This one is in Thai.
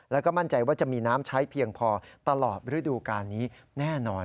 แล้วก็มั่นใจว่าจะมีน้ำใช้เพียงพอตลอดฤดูการนี้แน่นอน